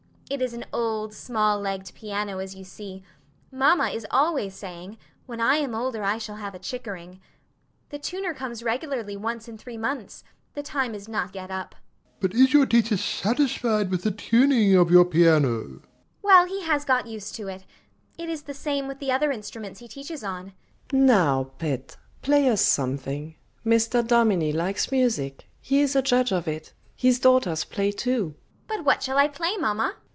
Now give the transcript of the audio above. It is an old, small legged piano, as you see: mamma is always saying, when I am older I shall have a Chickering. The tuner comes regularly once in three months; the time is not yet up. DOMINIE. But is your teacher satisfied with the tuning of your piano? FATIMA. Well, he has got used to it. It is the same with the other instruments he teaches on. MRS. N. Now, pet, play us something. Mr. Dominie likes music; he is a judge of it; his daughters play too. FATIMA. But what shall I play, mamma?